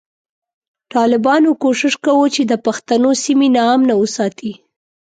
ټالبانو کوشش کوو چی د پښتنو سیمی نا امنه وساتی